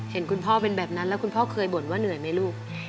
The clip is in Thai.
เห็นคุณพ่อเป็นแบบนั้นแล้วคุณพ่อเคยบ่นว่าเหนื่อยไหมลูก